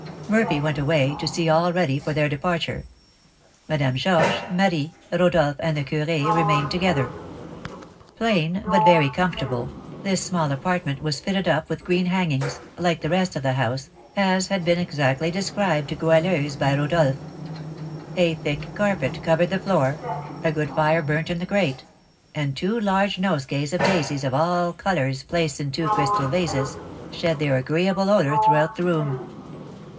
Murphy went away, to see all ready for their departure. Madame Georges, Marie, Rodolph, and the curé remained together. Plain, but very comfortable, this small apartment was fitted up with green hangings, like the rest of the house, as had been exactly described to Goualeuse by Rodolph. A thick carpet covered the floor, a good fire burnt in the grate, and two large nosegays of daisies of all colours, placed in two crystal vases, shed their agreeable odour throughout the room.